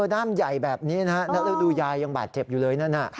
ด้ามใหญ่แบบนี้นะฮะแล้วดูยายยังบาดเจ็บอยู่เลยนั่นน่ะ